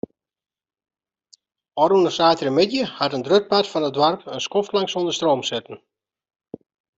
Ofrûne saterdeitemiddei hat in grut part fan it doarp in skoftlang sonder stroom sitten.